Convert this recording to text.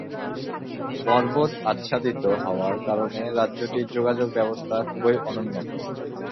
পর্বত আচ্ছাদিত হওয়ার কারণে রাজ্যটির যোগাযোগ ব্যবস্থা খুবই অনুন্নত।